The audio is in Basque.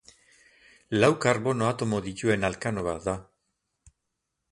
Lau karbono atomo dituen alkano bat da.